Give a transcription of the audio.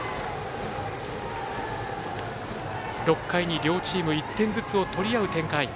６回に両チーム１点ずつを取り合う展開。